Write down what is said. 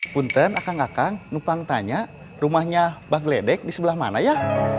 punten akang akang lupa ngetanya rumahnya mbak gledek di sebelah mana ya